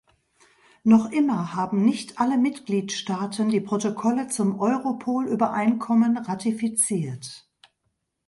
Noch immer haben nicht alle Mitgliedstaaten die Protokolle zum Europol-Übereinkommen ratifiziert.